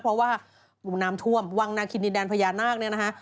เพราะว่ามุมน้ำท่วมวังนาคินดินแดนพญานาคเนี่ยนะคะ